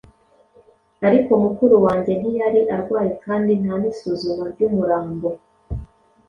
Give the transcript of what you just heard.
ariko mukuru wanjye ntiyari arwaye kandi nta n’isuzuma ry’umurambo